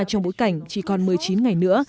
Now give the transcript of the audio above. trong bối cảnh chỉ còn một mươi chín ngày nữa